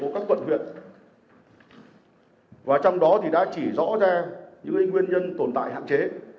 các quận huyện và trong đó thì đã chỉ rõ ra những nguyên nhân tồn tại hạn chế